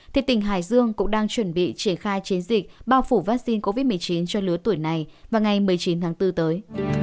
thì tỉnh hải dương cũng đang chuẩn bị triển khai chiến dịch bao phủ vaccine covid một mươi chín cho lứa tuổi này vào ngày một mươi chín tháng bốn tới